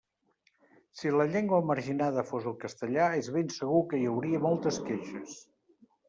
Si la llengua marginada fos el castellà, és ben segur que hi hauria moltes queixes.